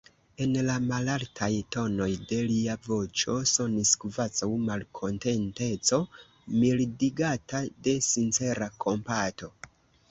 En la malaltaj tonoj de lia voĉo sonis kvazaŭ malkontenteco, mildigata de sincera kompato!